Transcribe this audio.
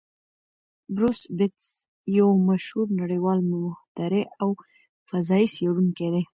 بروس بتز یو مشهور نړیوال مخترع او فضايي څېړونکی دی.